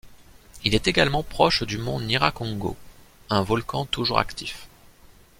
Il est également proche du mont Nyiragongo, un volcan toujours actif.